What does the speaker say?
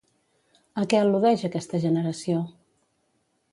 A què al·ludeix aquesta generació?